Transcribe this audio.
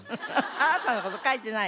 あなたの事書いてない。